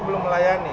ke tempat yang kita